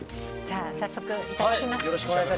早速、いただきます。